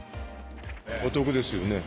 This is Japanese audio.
お得ですよね。